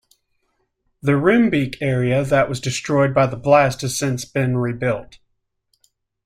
The Roombeek area that was destroyed by the blast has since been rebuilt.